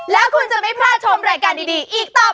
แล้วคุณจะไม่พลาดชมรายการดีอีกตอบ